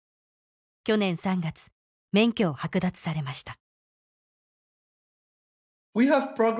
去年３月免許を剥奪されました